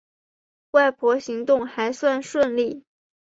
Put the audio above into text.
外婆行动还算顺利